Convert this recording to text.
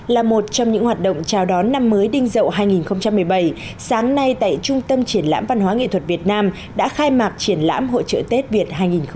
là một trong những hoạt động chào đón năm mới đinh dậu hai nghìn một mươi bảy sáng nay tại trung tâm triển lãm văn hóa nghệ thuật việt nam đã khai mạc triển lãm hội trợ tết việt hai nghìn một mươi chín